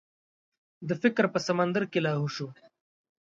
د فکر په سمندر کې لاهو شو.